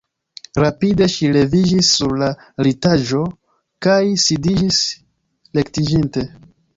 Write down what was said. Rapide ŝi leviĝis sur la litaĵo kaj sidiĝis rektiĝinte.